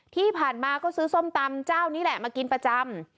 ที่ผ่านมาก็ซื้อส้มตำเจ้านี้แหละมากินประจำ